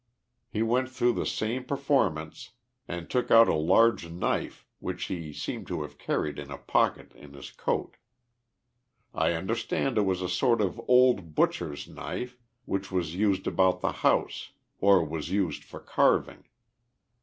He went through the same per * formance and took out a large knife, which he seemed to have carried in a pocket in his coat. I understand it was a sort of old butcher's knife, which was used about the house, or was used for carving.